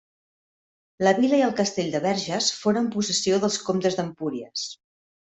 La vila i el castell de Verges foren possessió dels comtes d'Empúries.